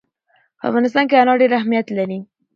په افغانستان کې انار ډېر اهمیت لري.